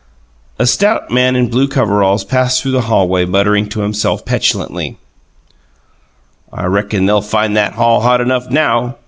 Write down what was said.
A stout man in blue overalls passed through the hallway muttering to himself petulantly. "I reckon they'll find that hall hot enough NOW!"